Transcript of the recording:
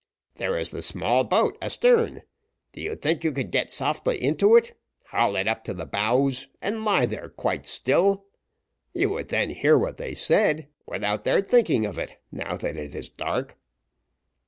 "There is the small boat astern; do you think you could get softly into it, haul it up to the bows, and lie there quite still? You would then hear what they said, without their thinking of it, now that it is dark."